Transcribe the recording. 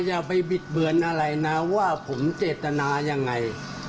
อย่าไปบิดเบือนอะไรนะว่าผมเจตนายังไง